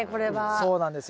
そうなんですよ。